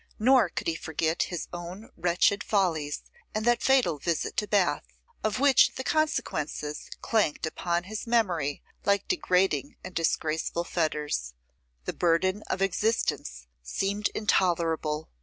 Nor could he forget his own wretched follies and that fatal visit to Bath, of which the consequences clanked upon his memory like degrading and disgraceful fetters. The burden of existence seemed intolerable.